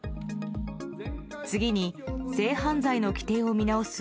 次に、性犯罪の規定を見直す